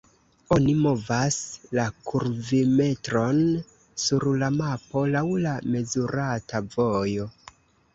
Oni movas la kurvimetron sur la mapo laŭ la mezurata vojo.